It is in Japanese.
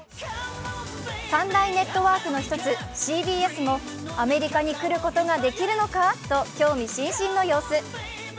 ３大ネットワークの一つＣＢＳもアメリカに来ることができるのかと興味津々の様子。